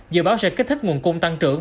dự báo sẽ kích thích nguồn cung tăng trưởng